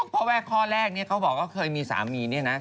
เพราะว่าข้อแรกนี้เขาบอกว่าเคยมีสามีเนี่ยนะ